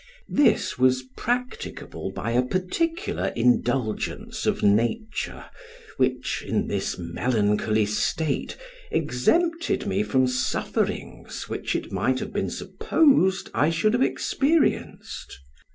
This was practicable by a particular indulgence of Nature, which, in this melancholy state, exempted me from sufferings which it might have been supposed I should have experienced.